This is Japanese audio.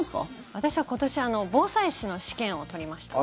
私は今年防災士の試験を取りました。